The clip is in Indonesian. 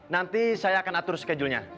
nanti saya akan atur schedule nya